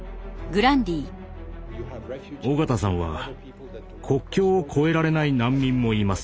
緒方さんは「国境を越えられない難民もいます。